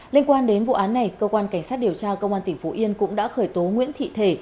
liên quan đến vụ án này cơ quan cảnh sát điều tra công an tp long xuyên cũng đã khởi tố nguyễn thị thể